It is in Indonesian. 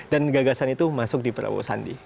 dan gagasan itu masuk di prabowo sandi